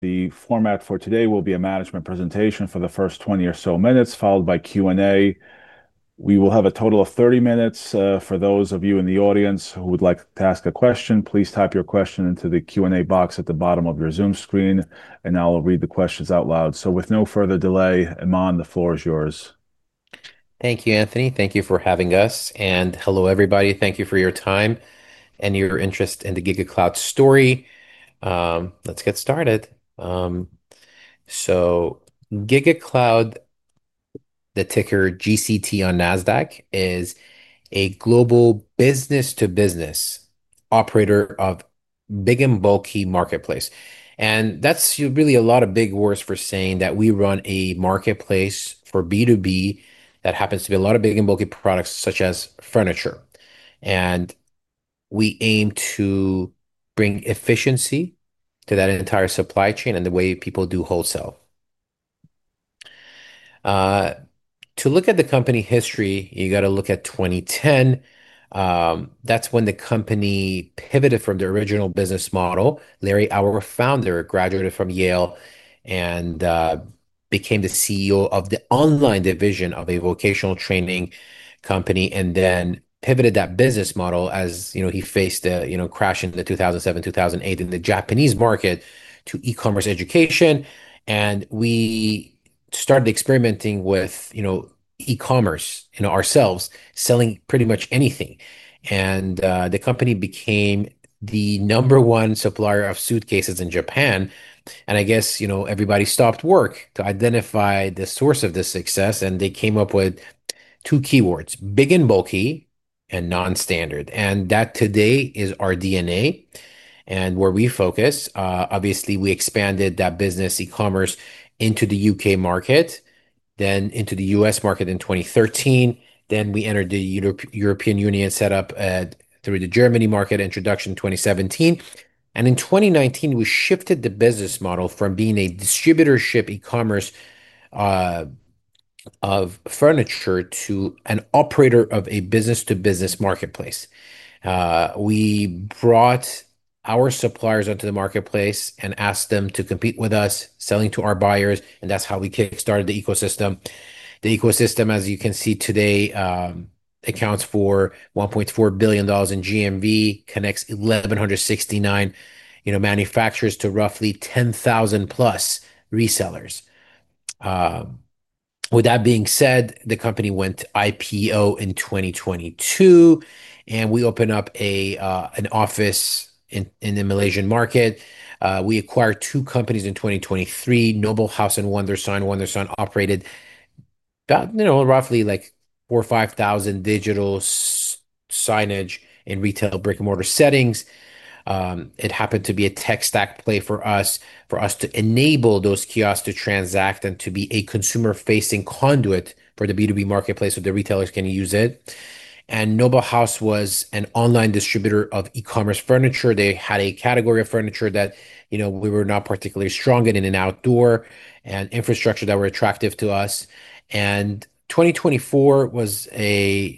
The format for today will be a management presentation for the first 20 or so minutes, followed by Q&A. We will have a total of 30 minutes. For those of you in the audience who would like to ask a question, please type your question into the Q&A box at the bottom of your Zoom screen, and I'll read the questions out loud. With no further delay, Iman, the floor is yours. Thank you, Anthony. Thank you for having us. Hello, everybody. Thank you for your time and your interest in the GigaCloud story. Let's get started. GigaCloud, the ticker GCT on Nasdaq, is a global business-to-business operator of big and bulky marketplaces. That's really a lot of big words for saying that we run a marketplace for B2B that happens to be a lot of big and bulky products such as furniture. We aim to bring efficiency to that entire supply chain and the way people do wholesale. To look at the company history, you have to look at 2010. That's when the company pivoted from the original business model. Larry, our founder, graduated from Yale and became the CEO of the online division of a vocational training company and then pivoted that business model as he faced a crash in 2007, 2008 in the Japanese market to e-commerce education. We started experimenting with e-commerce ourselves, selling pretty much anything. The company became the number one supplier of suitcases in Japan. I guess everybody stopped work to identify the source of this success, and they came up with two keywords: big and bulky and non-standard. That today is our DNA and where we focus. Obviously, we expanded that business e-commerce into the U.K. market, then into the U.S. market in 2013. We entered the European Union and set up through the Germany market introduction in 2017. In 2019, we shifted the business model from being a distributorship e-commerce of furniture to an operator of a business-to-business marketplace. We brought our suppliers onto the marketplace and asked them to compete with us, selling to our buyers. That's how we kickstarted the ecosystem. The ecosystem, as you can see today, accounts for $1.4 billion in GMV, connects 1,169 manufacturers to roughly 10,000+ resellers. With that being said, the company went IPO in 2022, and we opened up an office in the Malaysian market. We acquired two companies in 2023: Noble House and Wondersign. Wondersign operated roughly four or five thousand digital signage in retail brick-and-mortar settings. It happened to be a tech stack play for us to enable those kiosks to transact and to be a consumer-facing conduit for the B2B marketplace so the retailers can use it. Noble House was an online distributor of e-commerce furniture. They had a category of furniture that we were not particularly strong in, in an outdoor and infrastructure that were attractive to us. 2024 was a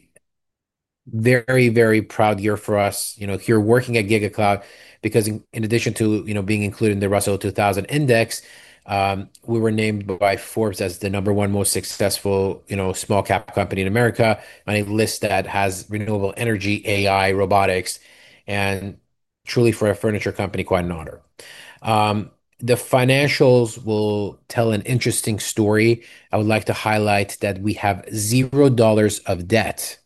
very, very proud year for us here working at GigaCloud because in addition to being included in the Russell 2000 Index, we were named by Forbes as the number one most successful small-cap company in America on a list that has renewable energy, AI, robotics, and truly for a furniture company, quite an honor. The financials will tell an interesting story. I would like to highlight that we have $0 of debt.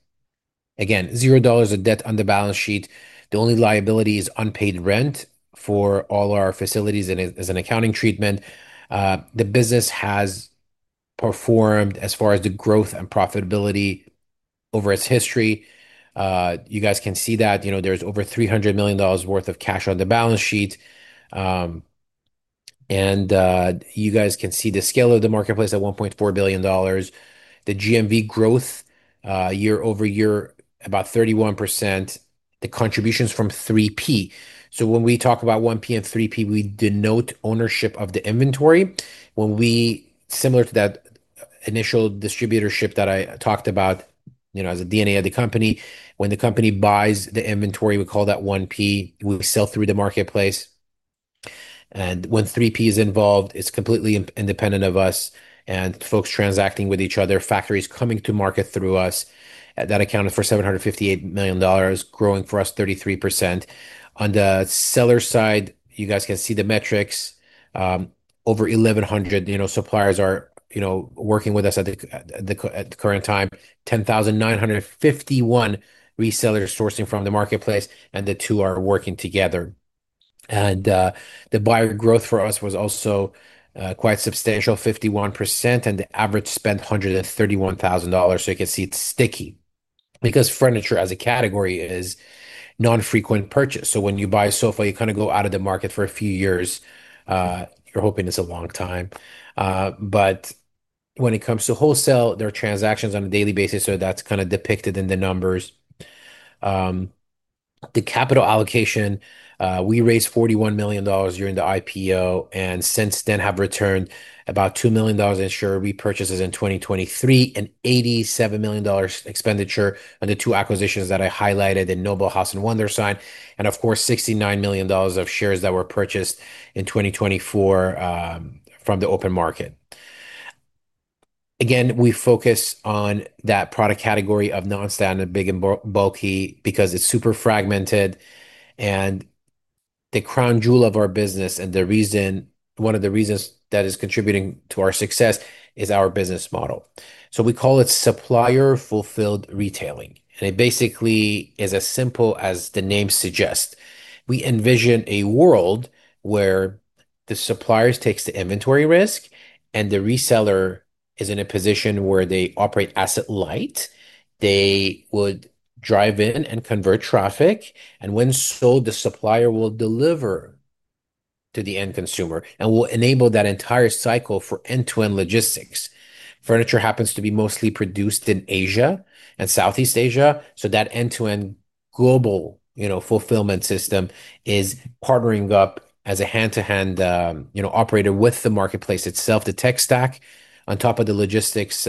Again, $0 of debt on the balance sheet. The only liability is unpaid rent for all our facilities and as an accounting treatment. The business has performed as far as the growth and profitability over its history. You guys can see that there's over $300 million worth of cash on the balance sheet. You guys can see the scale of the marketplace at $1.4 billion. The GMV growth year-over-year, about 31%. The contributions from 3P. When we talk about 1P and 3P, we denote ownership of the inventory. Similar to that initial distributorship that I talked about as a DNA of the company, when the company buys the inventory, we call that 1P. We sell through the marketplace. When 3P is involved, it's completely independent of us and folks transacting with each other, factories coming to market through us. That accounted for $758 million, growing for us 33%. On the seller side, you guys can see the metrics. Over 1,100 suppliers are working with us at the current time. 10,951 resellers are sourcing from the marketplace, and the two are working together. The buyer growth for us was also quite substantial, 51%, and the average spent $131,000. You can see it's sticky because furniture as a category is a non-frequent purchase. When you buy a sofa, you kind of go out of the market for a few years. You're hoping it's a long time. When it comes to wholesale, there are transactions on a daily basis, so that's kind of depicted in the numbers. The capital allocation, we raised $41 million during the IPO and since then have returned about $2 million in share repurchases in 2023 and $87 million expenditure on the two acquisitions that I highlighted, the Noble House and Wondersign, and $69 million of shares that were purchased in 2024 from the open market. We focus on that product category of non-standard, big and bulky because it's super fragmented and the crown jewel of our business. One of the reasons that is contributing to our success is our business model. We call it supplier-fulfilled retailing. It basically is as simple as the name suggests. We envision a world where the supplier takes the inventory risk and the reseller is in a position where they operate asset-light. They would drive in and convert traffic. When sold, the supplier will deliver to the end consumer and will enable that entire cycle for end-to-end logistics. Furniture happens to be mostly produced in Asia and Southeast Asia. That end-to-end global fulfillment system is partnering up as a hand-to-hand operator with the marketplace itself, the tech stack on top of the logistics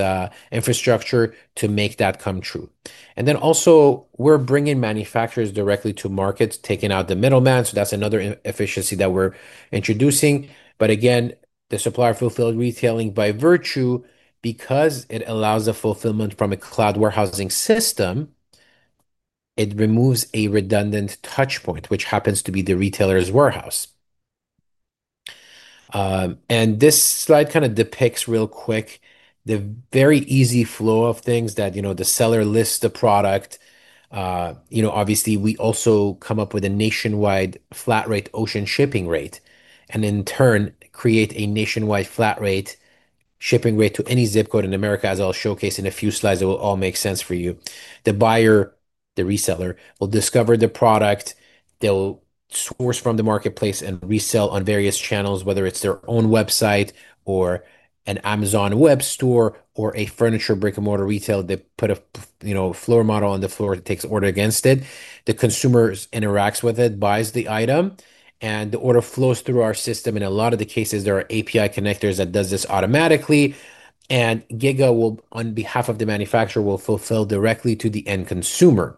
infrastructure to make that come true. We are also bringing manufacturers directly to markets, taking out the middleman. That is another efficiency that we are introducing. The supplier-fulfilled retailing by virtue, because it allows a fulfillment from a cloud warehousing system, removes a redundant touchpoint, which happens to be the retailer's warehouse. This slide kind of depicts real quick the very easy flow of things that the seller lists the product. We also come up with a nationwide flat rate ocean shipping rate and in turn create a nationwide flat rate shipping rate to any zip code in the America, as I'll showcase in a few slides. It will all make sense for you. The buyer, the reseller, will discover the product. They'll source from the marketplace and resell on various channels, whether it's their own website or an Amazon Web Store or a furniture brick-and-mortar retail that puts a floor model on the floor and takes an order against it. The consumer interacts with it, buys the item, and the order flows through our system. In a lot of the cases, there are API connectors that do this automatically. Giga, on behalf of the manufacturer, will fulfill directly to the end consumer.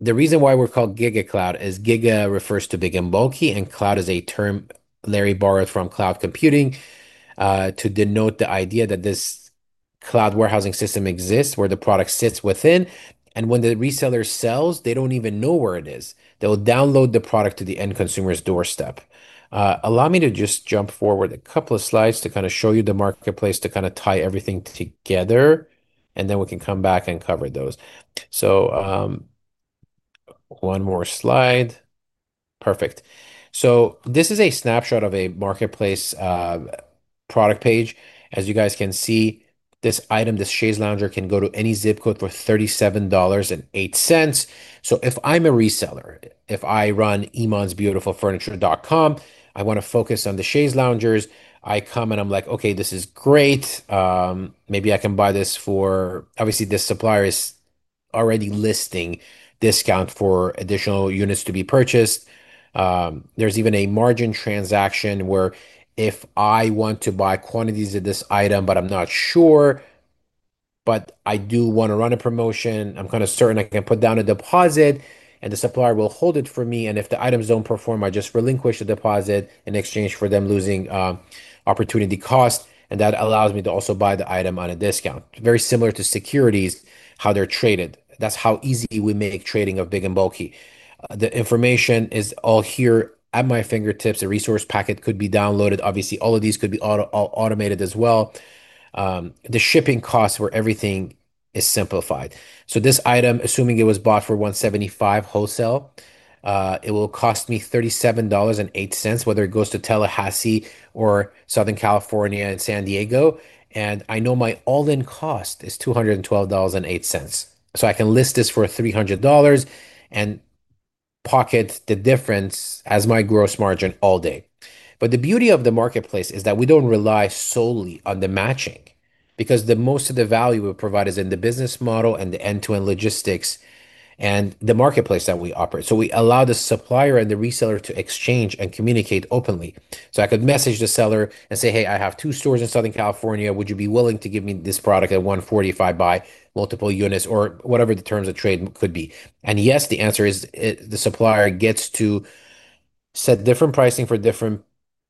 The reason why we're called GigaCloud is Giga refers to big and bulky, and Cloud is a term Larry borrowed from cloud computing to denote the idea that this cloud warehousing system exists where the product sits within. When the reseller sells, they don't even know where it is. They'll download the product to the end consumer's doorstep. Allow me to just jump forward a couple of slides to show you the marketplace to tie everything together, and then we can come back and cover those. One more slide. Perfect. This is a snapshot of a marketplace product page. As you guys can see, this item, this chaise lounger, can go to any zip code for $37.08. If I'm a reseller, if I run Iman's beautifulfurniture.com, I want to focus on the chaise loungers. I come and I'm like, okay, this is great. Maybe I can buy this for, obviously, the supplier is already listing discount for additional units to be purchased. There's even a margin transaction where if I want to buy quantities of this item, but I'm not sure, but I do want to run a promotion, I'm kind of certain I can put down a deposit and the supplier will hold it for me. If the items don't perform, I just relinquish the deposit in exchange for them losing opportunity cost. That allows me to also buy the item on a discount. Very similar to securities, how they're traded. That's how easy we make trading of big and bulky. The information is all here at my fingertips. A resource packet could be downloaded. Obviously, all of these could be automated as well. The shipping costs where everything is simplified. This item, assuming it was bought for $175 wholesale, will cost me $37.08, whether it goes to Tallahassee or Southern California and San Diego. I know my all-in cost is $212.08. I can list this for $300 and pocket the difference as my gross margin all day. The beauty of the marketplace is that we don't rely solely on the matching because most of the value we provide is in the business model and the end-to-end logistics and the marketplace that we operate. We allow the supplier and the reseller to exchange and communicate openly. I could message the seller and say, "Hey, I have two stores in Southern California. Would you be willing to give me this product at $145 by multiple units or whatever the terms of trade could be?" Yes, the answer is the supplier gets to set different pricing for different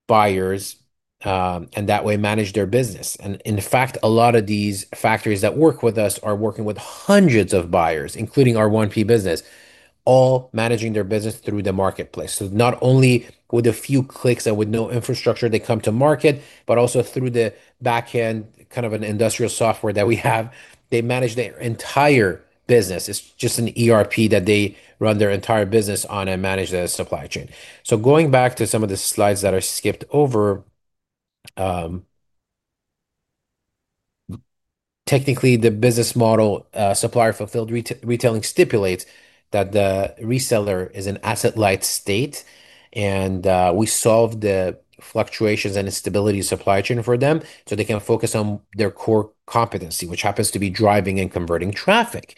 buyers and that way manage their business. In fact, a lot of these factories that work with us are working with hundreds of buyers, including our 1P business, all managing their business through the marketplace. Not only with a few clicks and with no infrastructure, they come to market, but also through the backend, kind of an industrial software that we have, they manage their entire business. It's just an ERP that they run their entire business on and manage the supply chain. Going back to some of the slides that are skipped over, technically, the business model supplier-fulfilled retailing stipulates that the reseller is an asset-light state, and we solve the fluctuations and instability of the supply chain for them so they can focus on their core competency, which happens to be driving and converting traffic.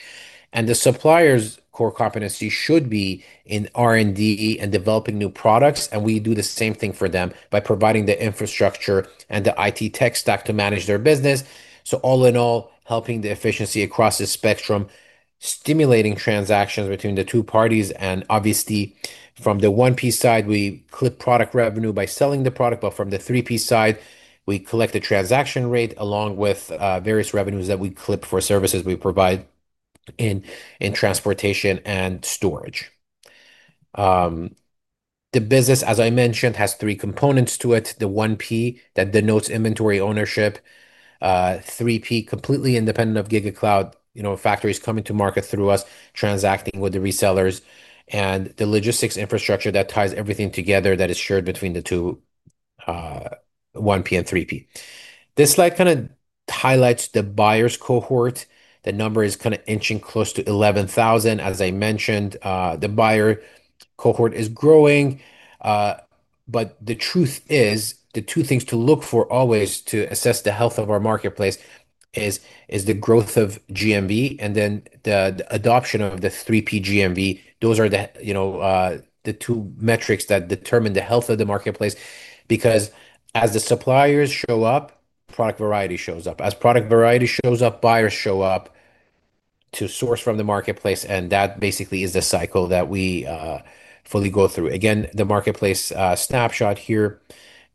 The supplier's core competency should be in R&D and developing new products. We do the same thing for them by providing the infrastructure and the IT tech stack to manage their business. All in all, helping the efficiency across the spectrum, stimulating transactions between the two parties. Obviously, from the 1P side, we clip product revenue by selling the product, but from the 3P side, we collect the transaction rate along with various revenues that we clip for services we provide in transportation and storage. The business, as I mentioned, has three components to it. The 1P that denotes inventory ownership, 3P completely independent of GigaCloud, factories coming to market through us, transacting with the resellers, and the logistics infrastructure that ties everything together that is shared between the two 1P and 3P. This slide highlights the buyer cohort. The number is inching close to 11,000, as I mentioned. The buyer cohort is growing. The truth is, the two things to look for always to assess the health of our marketplace is the growth of GMV and then the adoption of the 3P GMV. Those are the two metrics that determine the health of the marketplace because as the suppliers show up, product variety shows up. As product variety shows up, buyers show up to source from the marketplace. That basically is the cycle that we fully go through. The marketplace snapshot here,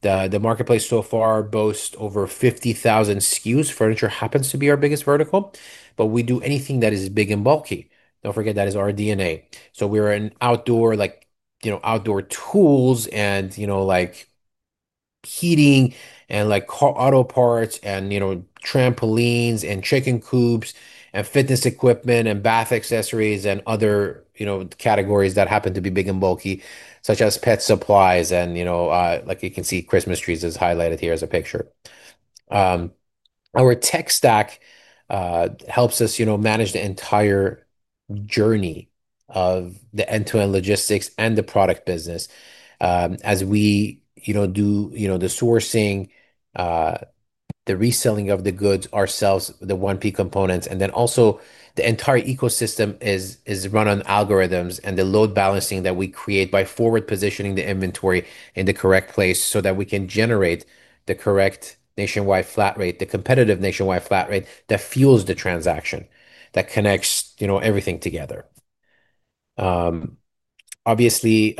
the marketplace so far boasts over 50,000 SKUs. Furniture happens to be our biggest vertical, but we do anything that is big and bulky. Do not forget that is our DNA. We are in outdoor, like outdoor tools and heating and auto parts and trampolines and chicken coops and fitness equipment and bath accessories and other categories that happen to be big and bulky, such as pet supplies. As you can see, Christmas trees is highlighted here as a picture. Our tech stack helps us manage the entire journey of the end-to-end logistics and the product business as we do the sourcing, the reselling of the goods ourselves, the 1P components. The entire ecosystem is run on algorithms and the load balancing that we create by forward positioning the inventory in the correct place so that we can generate the correct nationwide flat rate, the competitive nationwide flat rate that fuels the transaction that connects everything together. Obviously,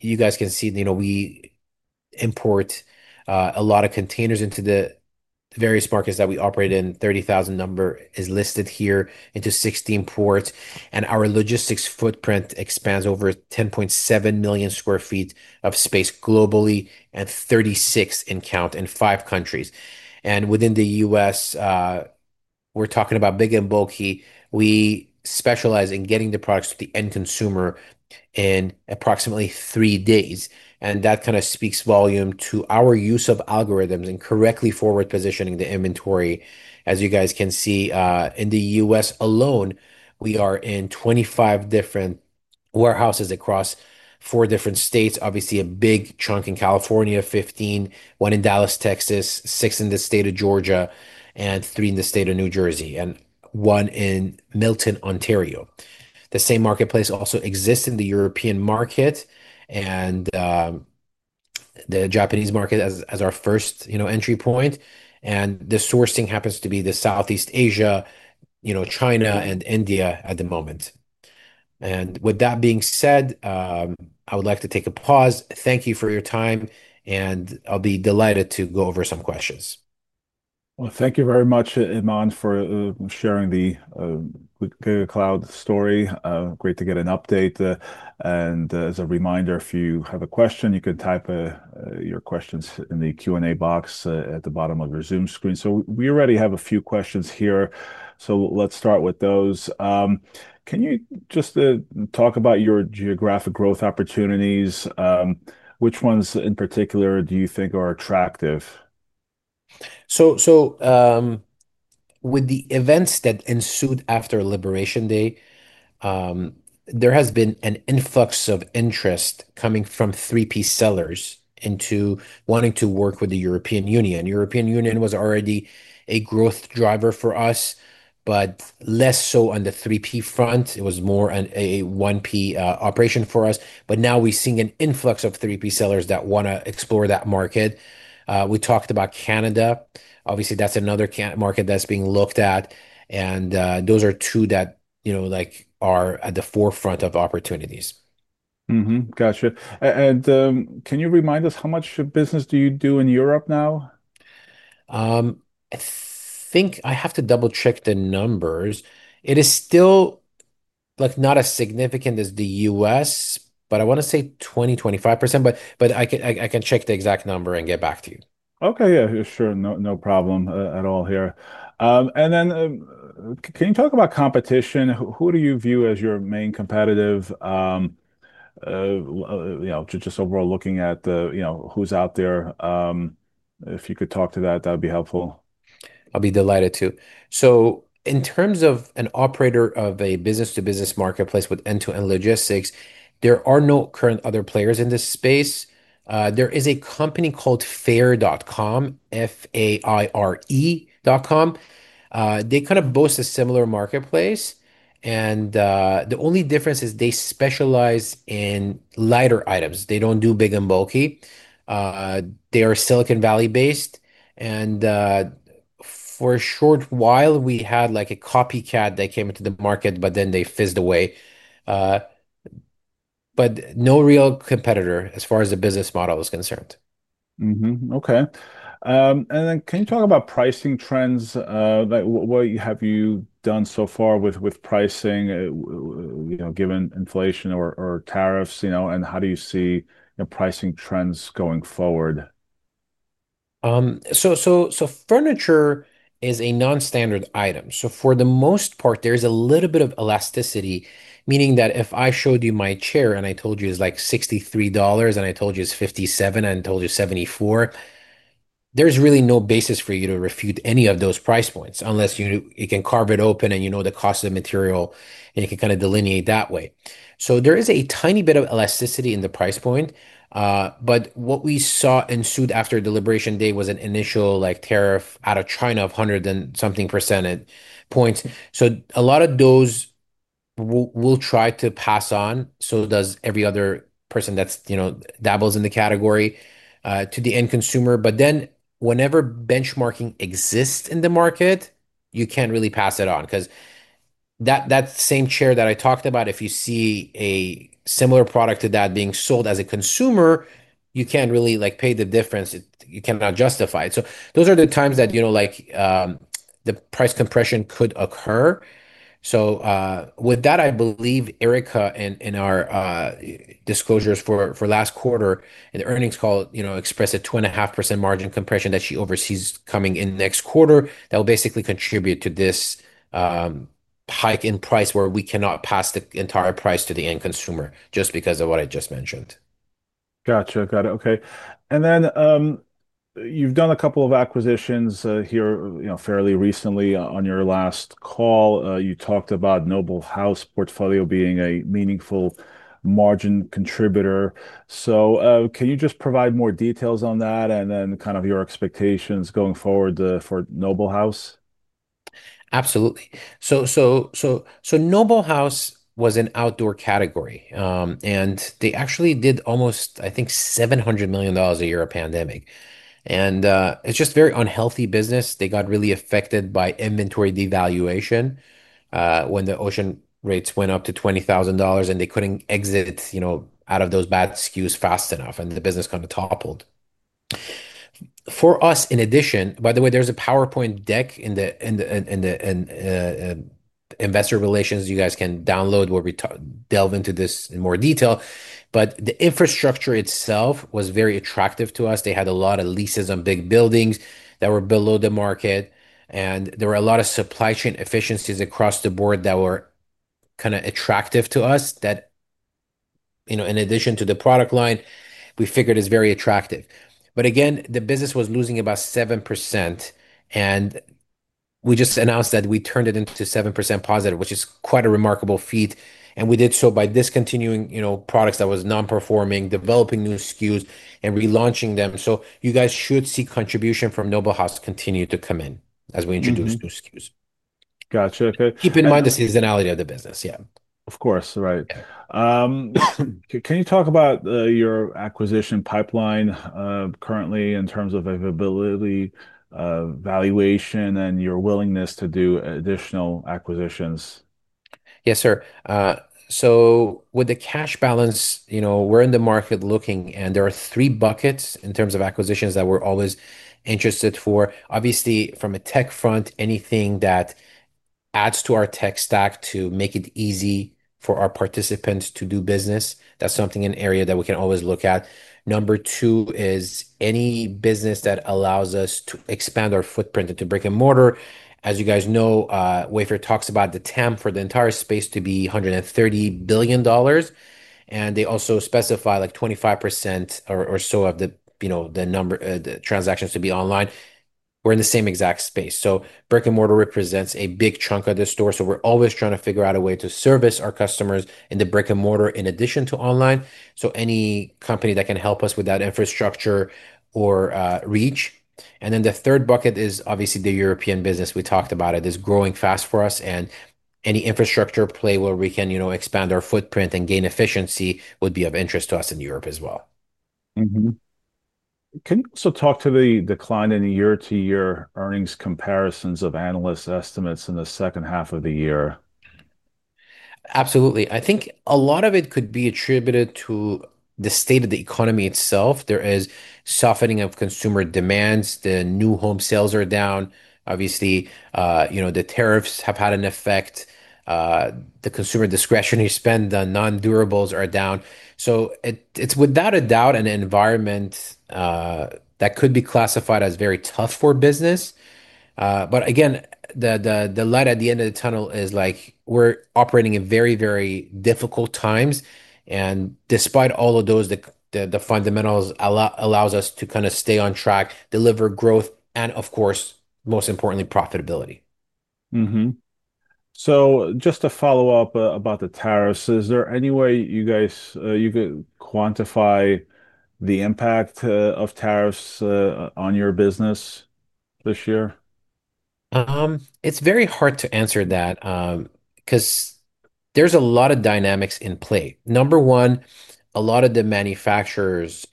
you guys can see we import a lot of containers into the various markets that we operate in. The 30,000 number is listed here into 16 ports. Our logistics footprint expands over 10.7 million sq ft of space globally and 36 in count in five countries. Within the U.S., we're talking about big and bulky. We specialize in getting the products to the end consumer in approximately three days. That kind of speaks volumes to our use of algorithms and correctly forward positioning the inventory. As you guys can see, in the U.S. alone, we are in 25 different warehouses across four different states. Obviously, a big chunk in California, 15, one in Dallas, Texas, six in the state of Georgia, three in the state of New Jersey, and one in Milton, Ontario. The same marketplace also exists in the European market and the Japanese market as our first entry point. The sourcing happens to be Southeast Asia, China, and India at the moment. With that being said, I would like to take a pause. Thank you for your time, and I'll be delighted to go over some questions. Thank you very much, Iman, for sharing the GigaCloud story. Great to get an update. As a reminder, if you have a question, you could type your questions in the Q&A box at the bottom of your Zoom screen. We already have a few questions here. Let's start with those. Can you just talk about your geographic growth opportunities? Which ones in particular do you think are attractive? With the events that ensued after Liberation Day, there has been an influx of interest coming from 3P sellers into wanting to work with the European Union. The European Union was already a growth driver for us, but less so on the 3P front. It was more a 1P operation for us. Now we're seeing an influx of 3P sellers that want to explore that market. We talked about Canada. Obviously, that's another market that's being looked at. Those are two that are at the forefront of opportunities. Gotcha. Can you remind us how much business do you do in the Europe now? I think I have to double-check the numbers. It is still not as significant as the U.S., but I want to say 20%, 25%. I can check the exact number and get back to you. Okay. Yeah, sure. No problem at all here. Can you talk about competition? Who do you view as your main competitive? Just overall, looking at who's out there, if you could talk to that, that would be helpful. I'll be delighted to. In terms of an operator of a business-to-business marketplace with end-to-end logistics, there are no current other players in this space. There is a company called fFaire.com, F-A-I-R-E.com. They kind of boast a similar marketplace. The only difference is they specialize in lighter items. They don't do big and bulky. They are Silicon Valley-based. For a short while, we had like a copycat that came into the market, but then they fizzed away. No real competitor as far as the business model is concerned. Okay. Can you talk about pricing trends? What have you done so far with pricing, given inflation or tariffs? How do you see pricing trends going forward? Furniture is a non-standard item. For the most part, there is a little bit of elasticity, meaning that if I showed you my chair and I told you it's $63 and I told you it's $57 and I told you it's $74, there's really no basis for you to refute any of those price points unless you can carve it open and you know the cost of the material and you can kind of delineate that way. There is a tiny bit of elasticity in the price point. What we saw ensued after a deliberation day was an initial tariff out of China of 100 and something percentage points. A lot of those we'll try to pass on, so does every other person that dabbles in the category to the end consumer. Whenever benchmarking exists in the market, you can't really pass it on because that same chair that I talked about, if you see a similar product to that being sold as a consumer, you can't really pay the difference. You cannot justify it. Those are the times that the price compression could occur. I believe Erica in our disclosures for last quarter in the earnings call expressed a 2.5% margin compression that she oversees coming in next quarter that will basically contribute to this hike in price where we cannot pass the entire price to the end consumer just because of what I just mentioned. Got it. Okay. You've done a couple of acquisitions here fairly recently. On your last call, you talked about the Noble House portfolio being a meaningful margin contributor. Can you just provide more details on that and your expectations going forward for Noble House? Absolutely. Noble House was an outdoor category. They actually did almost, I think, $700 million a year during the pandemic. It was just a very unhealthy business. They got really affected by inventory devaluation when the ocean rates went up to $20,000 and they couldn't exit out of those bad SKUs fast enough. The business kind of toppled. For us, in addition, by the way, there's a PowerPoint deck in the investor relations you guys can download where we delve into this in more detail. The infrastructure itself was very attractive to us. They had a lot of leases on big buildings that were below the market. There were a lot of supply chain efficiencies across the board that were kind of attractive to us that, in addition to the product line, we figured it's very attractive. The business was losing about 7%. We just announced that we turned it into 7% positive, which is quite a remarkable feat. We did so by discontinuing products that were non-performing, developing new SKUs, and relaunching them. You guys should see contribution from Noble House continue to come in as we introduce new SKUs. Gotcha. Okay. Keep in mind the seasonality of the business. Of course. Right. Can you talk about your acquisition pipeline currently in terms of availability, valuation, and your willingness to do additional acquisitions? Yes, sir. With the cash balance, we're in the market looking, and there are three buckets in terms of acquisitions that we're always interested for. Obviously, from a tech front, anything that adds to our proprietary tech stack to make it easy for our participants to do business, that's something in an area that we can always look at. Number two is any business that allows us to expand our footprint into brick-and-mortar. As you guys know, Wayfair talks about the TAM for the entire space to be $130 billion. They also specify like 25% or so of the transactions to be online. We're in the same exact space. Brick-and-mortar represents a big chunk of the store. We're always trying to figure out a way to service our customers in the brick-and-mortar in addition to online. Any company that can help us with that infrastructure or reach. The third bucket is obviously the European business. We talked about it. It is growing fast for us. Any infrastructure play where we can expand our footprint and gain efficiency would be of interest to us in Europe as well. Can you also talk to the decline in the year-to-year earnings comparisons of analysts' estimates in the second half of the year? Absolutely. I think a lot of it could be attributed to the state of the economy itself. There is softening of consumer demands. The new home sales are down. Obviously, the tariffs have had an effect. The consumer discretionary spend, the non-durables are down. It is without a doubt an environment that could be classified as very tough for business. Again, the light at the end of the tunnel is like we're operating in very, very difficult times. Despite all of those, the fundamentals allow us to kind of stay on track, deliver growth, and of course, most importantly, profitability. Just to follow up about the tariffs, is there any way you guys quantify the impact of tariffs on your business this year? It's very hard to answer that because there's a lot of dynamics in play. Number one, a lot of the manufacturers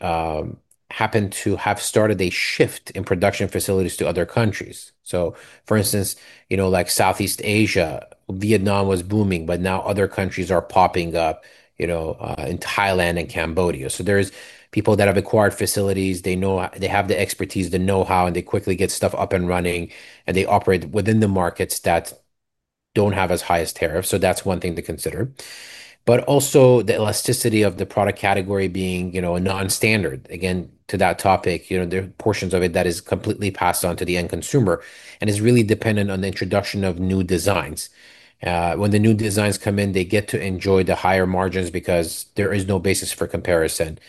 happen to have started a shift in production facilities to other countries. For instance, like Southeast Asia, Vietnam was booming, but now other countries are popping up in Thailand and Cambodia. There are people that have acquired facilities. They have the expertise, the know-how, and they quickly get stuff up and running. They operate within the markets that don't have as high as tariffs. That's one thing to consider. Also, the elasticity of the product category being non-standard. Again, to that topic, there are portions of it that are completely passed on to the end consumer. It's really dependent on the introduction of new designs. When the new designs come in, they get to enjoy the higher margins because there is no basis for comparison.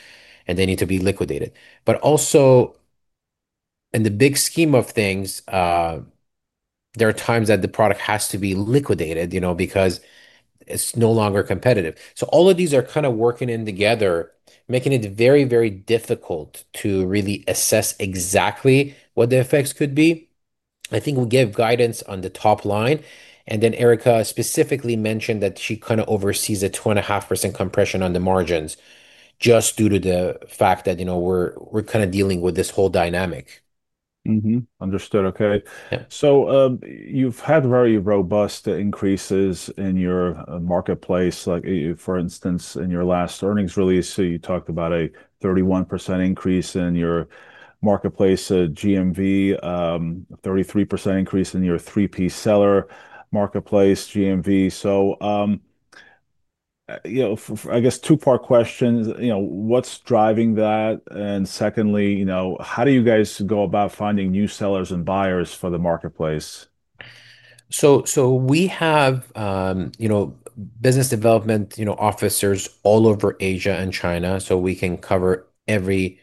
They need to be liquidated. Also, in the big scheme of things, there are times that the product has to be liquidated because it's no longer competitive. All of these are kind of working in together, making it very, very difficult to really assess exactly what the effects could be. I think we'll give guidance on the top line. Erica specifically mentioned that she kind of oversees a 2.5% compression on the margins just due to the fact that we're kind of dealing with this whole dynamic. Understood. Okay. You've had very robust increases in your marketplace. For instance, in your last earnings release, you talked about a 31% increase in your marketplace GMV, a 33% increase in your 3P seller marketplace GMV. I guess two-part question. What's driving that? Secondly, how do you guys go about finding new sellers and buyers for the marketplace? We have business development officers all over Asia and China. We can cover every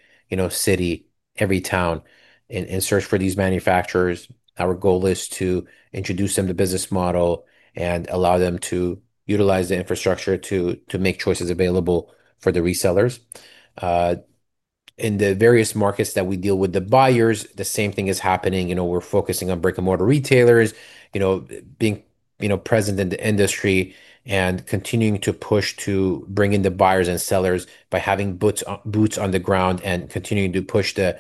city, every town, and search for these manufacturers. Our goal is to introduce them to the business model and allow them to utilize the infrastructure to make choices available for the resellers. In the various markets that we deal with the buyers, the same thing is happening. We're focusing on brick-and-mortar retailers, being present in the industry, and continuing to push to bring in the buyers and sellers by having boots on the ground and continuing to push the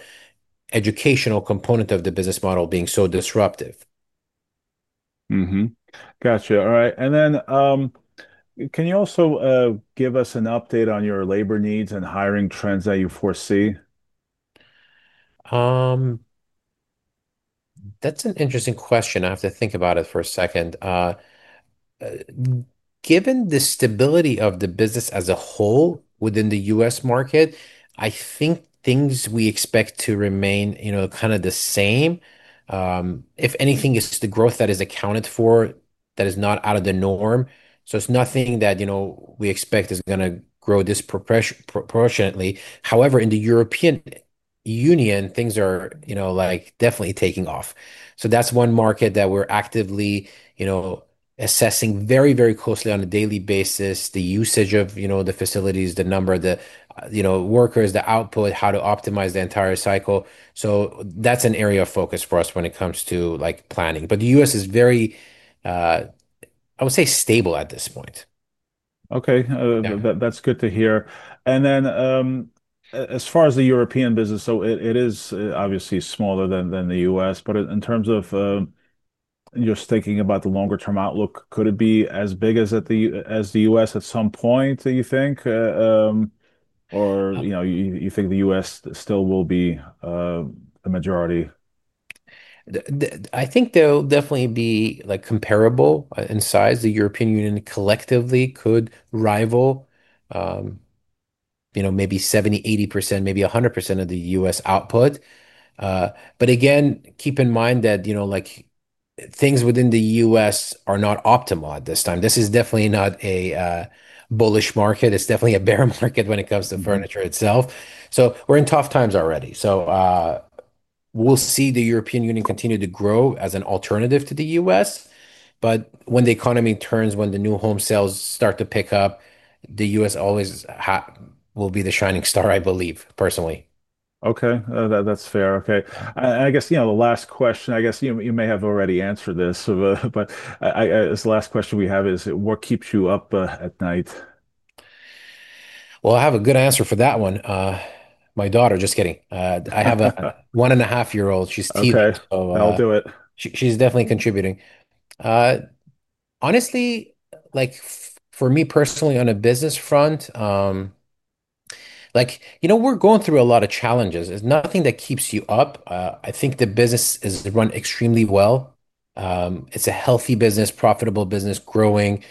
educational component of the business model being so disruptive. Gotcha. All right. Can you also give us an update on your labor needs and hiring trends that you foresee? That's an interesting question. I have to think about it for a second. Given the stability of the business as a whole within the U.S. market, I think things we expect to remain kind of the same. If anything, it's the growth that is accounted for that is not out of the norm. It's nothing that we expect is going to grow disproportionately. However, in the European Union, things are definitely taking off. That's one market that we're actively assessing very, very closely on a daily basis, the usage of the facilities, the number of the workers, the output, how to optimize the entire cycle. That's an area of focus for us when it comes to planning. The U.S. is very, I would say, stable at this point. Okay, that's good to hear. As far as the European business, it is obviously smaller than the U.S. In terms of just thinking about the longer-term outlook, could it be as big as the U.S. at some point, do you think? Do you think the U.S. still will be a majority? I think they'll definitely be comparable in size. The European Union collectively could rival maybe 70%, 80%, maybe 100% of the U.S. output. Again, keep in mind that things within the U.S. are not optimal at this time. This is definitely not a bullish market. It's definitely a bear market when it comes to furniture itself. We're in tough times already. We'll see the European Union continue to grow as an alternative to the U.S. When the economy turns, when the new home sales start to pick up, the U.S. always will be the shining star, I believe, personally. Okay. That's fair. I guess the last question, I guess you may have already answered this, but as the last question we have is, what keeps you up at night? I have a good answer for that one. My daughter, just kidding. I have a one-and-a-half-year-old. She's teething. Okay, I'll do it. She's definitely contributing. Honestly, for me personally, on a business front, we're going through a lot of challenges. There's nothing that keeps you up. I think the business is run extremely well. It's a healthy business, profitable business, growing.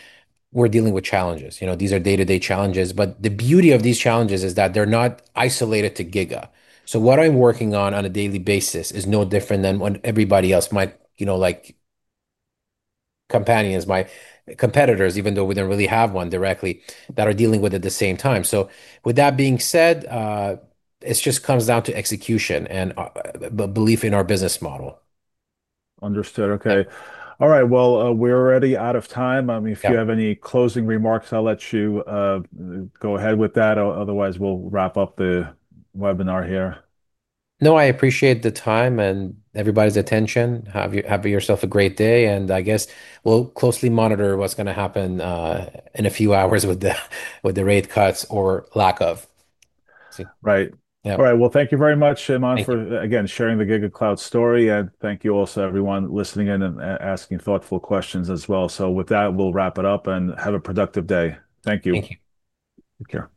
We're dealing with challenges. These are day-to-day challenges. The beauty of these challenges is that they're not isolated to Giga. What I'm working on on a daily basis is no different than what everybody else might, like companies, my competitors, even though we don't really have one directly, that are dealing with at the same time. With that being said, it just comes down to execution and belief in our business model. Understood. Okay. All right. We're already out of time. If you have any closing remarks, I'll let you go ahead with that. Otherwise, we'll wrap up the webinar here. I appreciate the time and everybody's attention. Have yourself a great day. I guess we'll closely monitor what's going to happen in a few hours with the rate cuts or lack of. All right. Thank you very much, Iman, for again sharing the GigaCloud story. Thank you also, everyone, listening in and asking thoughtful questions as well. With that, we'll wrap it up and have a productive day. Thank you. Thank you. Take care.